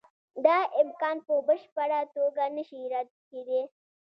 دا امکان په بشپړه توګه نشي رد کېدای.